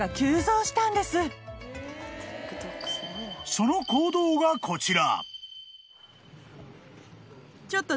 ［その行動がこちら］